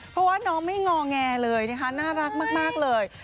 เพราะว่าน้องไม่งอแงเลยนะคะน่ารักมากเลย